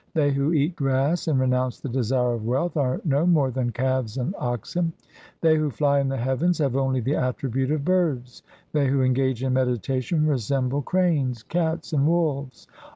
They who eat grass and renounce the desire of wealth, are no more than calves and oxen. They who fly in the heavens have only the attribute of birds ; they who engage in meditation resemble cranes, cats, and wolves.